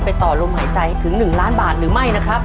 ต่อลมหายใจถึง๑ล้านบาทหรือไม่นะครับ